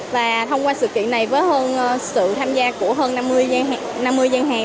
và thông qua sự kiện này với hơn sự tham gia của hơn năm mươi gian hàng